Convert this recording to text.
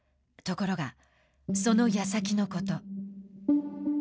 ところが、そのやさきのこと。